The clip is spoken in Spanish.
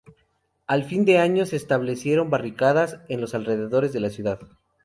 A fin de año, se establecieron barricadas en los alrededores de la ciudad.